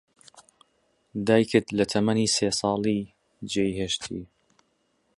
دایکت لە تەمەنی سێ ساڵی جێی هێشتی.